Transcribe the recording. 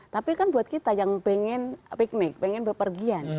tapi kan buat kita yang pengen piknik pengen berpergian